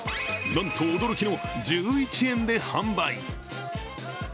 なんと驚きき１１円で販売。